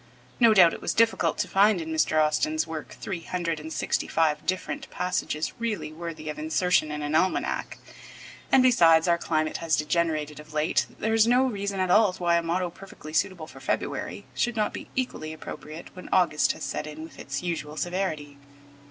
No doubt it was difficult to find in Mr. Austin's work three hundred and sixty five different passages really worthy of insertion in an almanac, and, besides, our climate has so degenerated of late that there is no reason at all why a motto perfectly suitable for February should not be equally appropriate when August has set in with its usual severity.